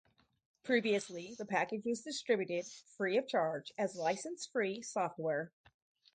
Previously the package was distributed free of charge as license-free software.